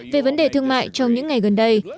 về vấn đề thương mại trong những ngày gần đây